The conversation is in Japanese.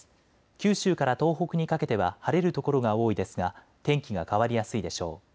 九州から東北にかけては晴れる所が多いですが天気が変わりやすいでしょう。